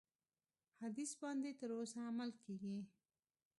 حدیث باندي تر اوسه عمل کیږي.